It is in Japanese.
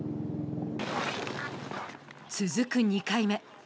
続く２回目。